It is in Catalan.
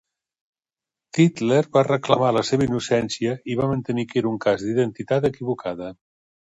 Tytler va reclamar la seva innocència i va mantenir que era un cas d'identitat equivocada.